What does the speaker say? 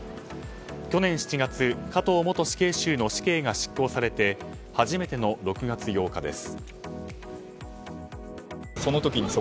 去年７月、加藤元死刑囚の死刑が執行されて初めての６月８日です。